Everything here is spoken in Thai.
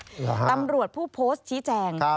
อ๋อฮะหรือครับตำรวจผู้โพสต์ชี้แจ่ง